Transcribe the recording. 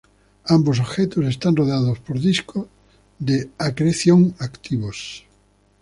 Ambos objetos están rodeados por discos de acreción activos.